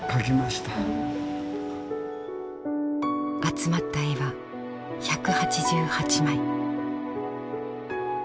集まった絵は１８８枚。